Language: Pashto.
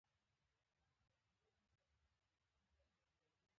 سیاستوالو ته د سمو لارښوونو قناعت ورکولو له لارې هوساینه ډیزاین کړو.